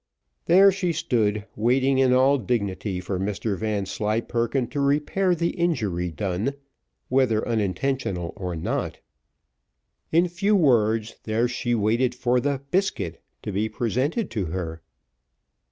There she stood waiting in all dignity for Mr Vanslyperken to repair the injury done, whether unintentional or not. In few words, there she waited, for the biscuit to be presented to her.